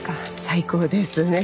最高ですね。